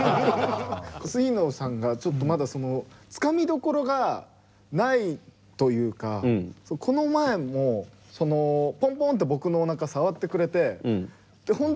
杉野さんがちょっとまだそのつかみどころがないというかこの前もそのポンポンって僕のおなか触ってくれてで本当